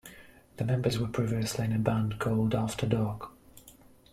The members were previously in a band called After Dark.